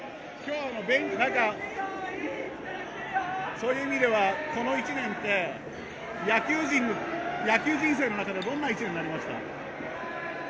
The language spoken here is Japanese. そういう意味ではこの１年で野球人生の中でどんな１年になりました。